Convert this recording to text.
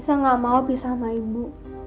nisa gak mau pisah sama ibu